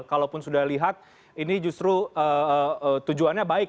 kalaupun sudah lihat ini justru tujuannya baik